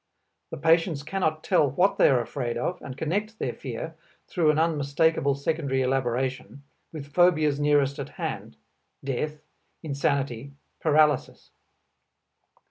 The patients cannot tell what they are afraid of and connect their fear, through an unmistakable secondary elaboration, with phobias nearest at hand; death, insanity, paralysis.